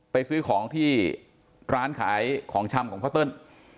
ไปซื้อของที่ร้านขายของชำของปะแตน